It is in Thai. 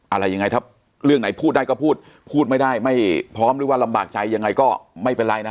อะไรยังไงถ้าเรื่องไหนพูดได้ก็พูดพูดไม่ได้ไม่พร้อมหรือว่าลำบากใจยังไงก็ไม่เป็นไรนะ